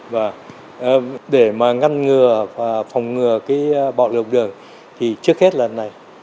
vâng để mà ngăn ngừa và phòng ngừa cái bọn lực lượng thì trước hết là này